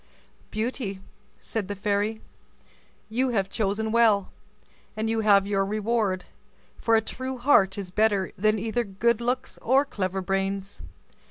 "Beauty," said the fairy, "you have chosen well, and you have your reward, for a true heart is better than either good looks or clever brains.